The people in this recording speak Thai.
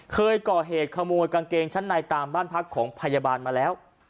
เคยก่อเหตุขโมยกางเกงชั้นในตามบ้านพักของพยาบาลมาแล้ว